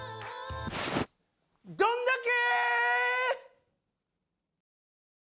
どんだけ！